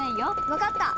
分かった。